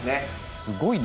すごいな。